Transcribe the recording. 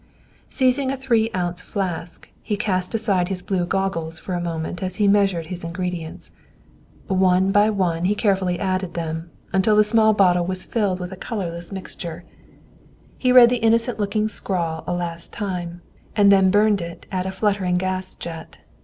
Seizing a three ounce flask, he cast aside his blue goggles for a moment as he measured his ingredients. One by one he carefully added them, until the small bottle was filled with a colorless mixture. He read the innocent looking scrawl a last time, and then burned it at a fluttering gas jet.